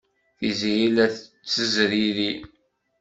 Tiziri la tettezriri.